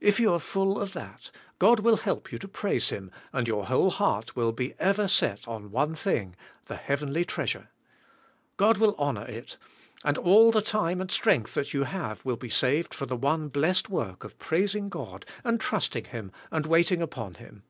If you are full of that, God will help you to praise Him, and your whole heart will be ever set on one thing — the heavenly treasure. God will honor it, and all the time and strength that you have will be saved for the one blessed work 166 THK SPIRITUAI, tIFK. of praising God and trusting Him and waiting upon Him.